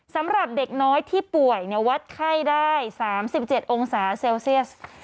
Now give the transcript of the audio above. สำหรับเด็กน้อยที่ป่วยวัดไข้ได้๓๗องศาเซลเซียส